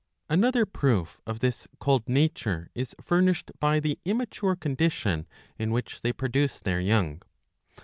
Another proof of this cold nature is furnished by the immature condition in which they produce their young.